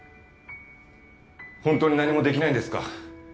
本当に何もできないんですか？